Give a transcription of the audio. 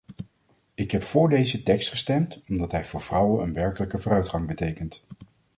Ik heb voor deze tekst gestemd, omdat hij voor vrouwen een werkelijke vooruitgang betekent.